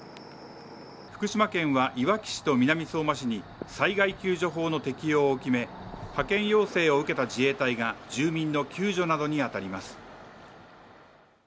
福島県はいわき市と南相馬市に災害救助法の適用を決め派遣要請を受けた自衛隊が住民の救助などに当たります。